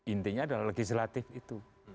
intinya adalah legislatif itu